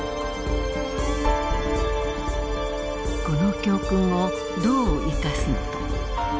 この教訓をどう生かすのか。